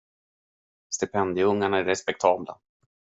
Stipendieungarna är respektabla.